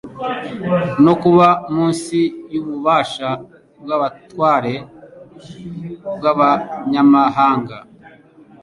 no kuba munsi y'ububasha bw'abatware bw'abanyamahanga;